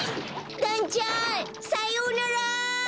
だんちゃんさようなら！